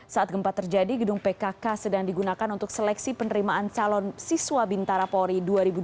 saat gempa terjadi gedung pkk sedang digunakan untuk seleksi penerimaan calon siswa bintara polri dua ribu dua puluh